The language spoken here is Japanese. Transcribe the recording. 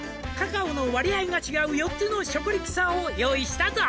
「カカオの割合が違う４つのショコリキサーを用意したぞ」